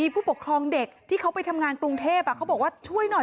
ผู้ปกครองเด็กที่เขาไปทำงานกรุงเทพเขาบอกว่าช่วยหน่อย